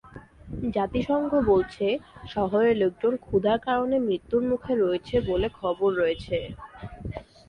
জাতিসংঘ বলছে, শহরে লোকজন ক্ষুধার কারণে মৃত্যুর মুখে রয়েছে বলে খবর রয়েছে।